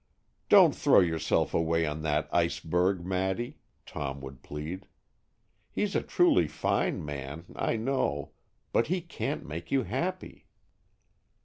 "Don't throw yourself away on that iceberg, Maddy," Tom would plead. "He's a truly fine man, I know, but he can't make you happy."